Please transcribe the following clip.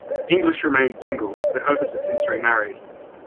English remained single, but Hovis has since remarried.